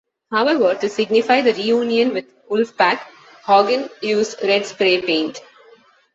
However, to signify the reunion with the Wolfpac, Hogan used red spray paint.